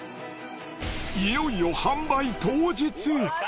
いよいよ販売当日。